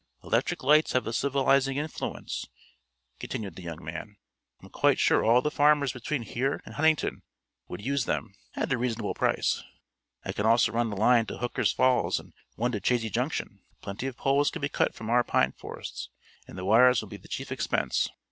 "Electric lights have a civilizing influence," continued the young man. "I'm quite sure all the farmers between here and Huntingdon would use them, at a reasonable price. I can also run a line to Hooker's Falls, and one to Chazy Junction. Plenty of poles can be cut from our pine forests and the wires will be the chief expense.